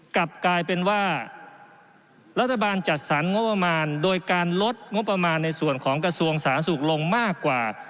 กลับกลายเป็นว่ารัฐบาลจัดสรรงบประมาณโดยการลดงบประมาณในส่วนของกระทรวงสาธารณสุขลงมากกว่า